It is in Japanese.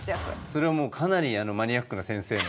それはもうかなりマニアックな先生の。